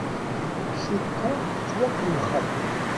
Cukkeɣ tettwakellexeḍ.